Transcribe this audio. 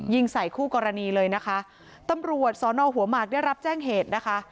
ใส่คู่กรณีเลยนะคะตำรวจสอนอหัวหมากได้รับแจ้งเหตุนะคะ